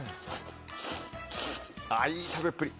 あぁいい食べっぷり。